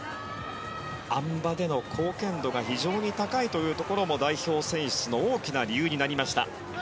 あん馬での貢献度が非常に高いというところも代表選出の大きな理由になりました。